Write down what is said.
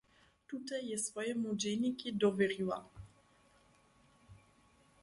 Tute je swojemu dźenikej dowěriła.